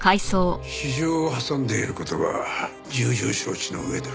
私情を挟んでいる事は重々承知の上だ。